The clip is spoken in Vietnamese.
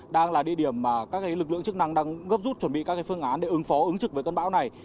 đang là địa điểm mà các lực lượng chức năng đang gấp rút chuẩn bị các phương án để ứng phó ứng trực với cơn bão này